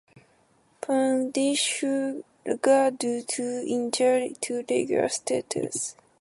Bundesliga due to injuries to regular starters.